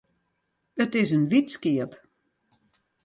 It is in wyt skiep.